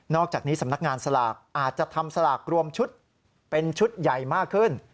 อกจากนี้สำนักงานสลากอาจจะทำสลากรวมชุดเป็นชุดใหญ่มากขึ้น